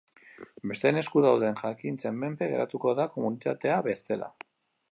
Besteen esku dauden jakintzen menpe geratuko da komunitatea bestela.